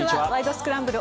スクランブル」